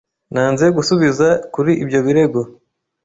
Nanze gusubiza kuri ibyo birego.